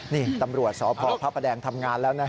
นี่ตำรวจสพพระประแดงทำงานแล้วนะ